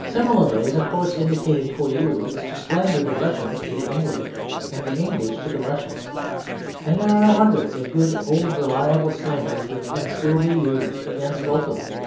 Similarly, the course indicated for you is to slander the Russians to the English and the English to the Russians; and there are hundreds of good old reliable slanders which can still be used against both of them.